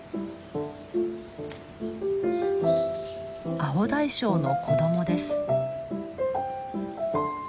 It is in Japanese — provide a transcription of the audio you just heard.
アオダイショウの子供です。